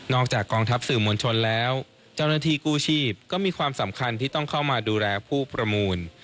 กองทัพสื่อมวลชนแล้วเจ้าหน้าที่กู้ชีพก็มีความสำคัญที่ต้องเข้ามาดูแลผู้ประมูล